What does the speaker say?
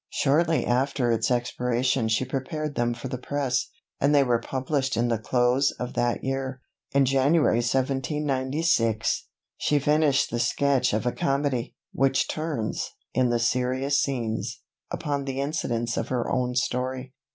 Shortly after its expiration she prepared them for the press, and they were published in the close of that year. In January 1796, she finished the sketch of a comedy, which turns, in the serious scenes, upon the incidents of her own story.